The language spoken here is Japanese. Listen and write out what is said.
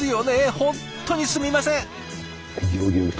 本当にすみません。